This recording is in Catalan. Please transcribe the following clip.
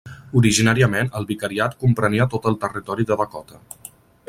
Originàriament el vicariat comprenia tot el territori de Dakota.